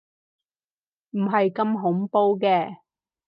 唔係咁恐怖嘅